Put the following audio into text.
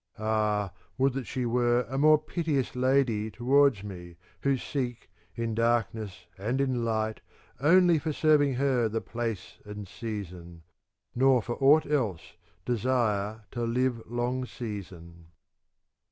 Ah would that she were a more pite ous lady towards me, who seek, in darkness and in light, only for serving her the place and sea son, nor for aught else desire to live long season.